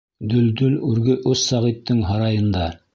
Дөлдөл үрге ос Сәғиттең һарайында.